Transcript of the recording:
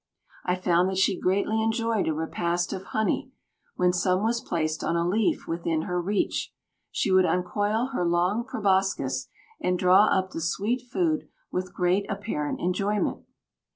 I found that she greatly enjoyed a repast of honey; when some was placed on a leaf within her reach, she would uncoil her long proboscis and draw up the sweet food with great apparent enjoyment.